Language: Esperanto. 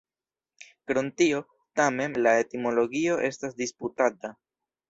Krom tio, tamen, la etimologio estas disputata.